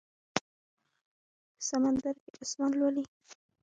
په سمندر کې اسمان لولي